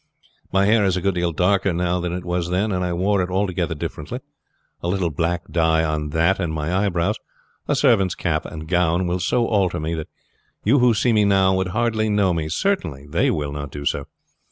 My hair is a good deal darker now than it was then, and I wore it altogether differently. A little black dye on that and my eyebrows, a servant's cap and gown, will so alter me that you who see me now would hardly know me; certainly they will not do so.